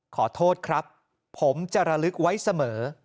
ขอโทษครับผมจะระลึกไว้เสมอ